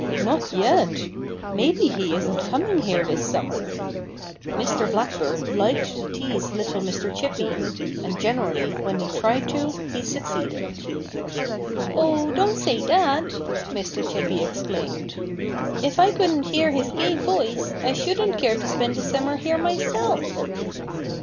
"Not yet! Maybe he isn't coming here this summer." Mr. Blackbird liked to tease little Mr. Chippy. And generally when he tried to, he succeeded. "Oh! Don't say that!" Mr. Chippy exclaimed. "If I couldn't hear his gay voice I shouldn't care to spend a summer here myself."